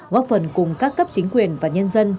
góp phần cùng các cấp chính quyền và nhân dân